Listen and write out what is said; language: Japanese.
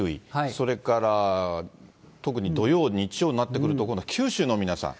それから特に土曜、日曜になってくると、今度、九州の皆さん。